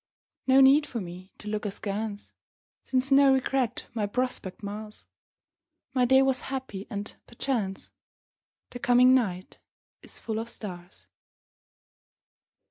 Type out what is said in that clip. No need for me to look askance, Since no regret my prospect mars. My day was happy and perchance The coming night is full of stars.